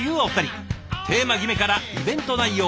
テーマ決めからイベント内容